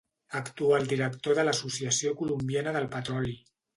Actual director de l'Associació Colombiana del Petroli.